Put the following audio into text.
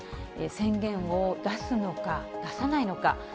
宣言を出すのか、出さないのか。